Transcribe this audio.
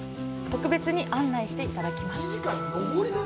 特別に案内していただきます。